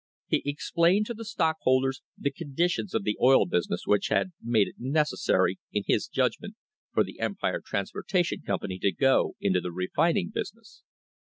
He explained to the stockholders the condi tion of the oil business which had made it necessary, in his judgment, for the Empire Transportation Company to go into the refining business.